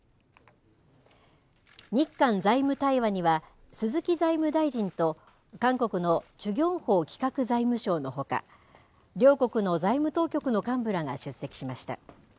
日韓財務対話には鈴木財務大臣と、韓国のチュ・ギョンホ企画財務相のほか両国の財務当局の幹部らが出席しました。